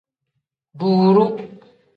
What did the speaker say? Duuru.